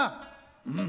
「うん」。